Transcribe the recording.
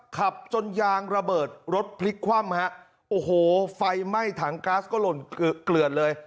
ขับจนยางระเบิดรถพลิกคว่ำฮะโอ้โหไฟไหม้ถังก๊าซก็หล่นเกลือดเลย